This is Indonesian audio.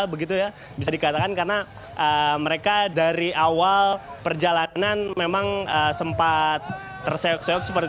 begitu ya bisa dikatakan karena mereka dari awal perjalanan memang sempat terseok seok